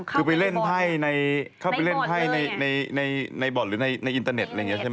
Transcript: คือไปเล่นไพ่ในบอร์ตหรือในอินเตอร์เน็ตอะไรอย่างนี้ใช่ไหม